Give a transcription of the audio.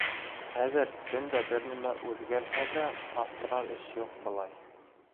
Хәҙер көн дә бер нәмә үҙгәрһә лә аптырар эш юҡ, былай.